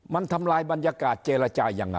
มันทำลายบรรยากาศเจรจายังไง